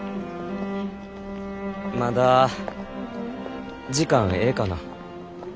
まだ時間ええかな？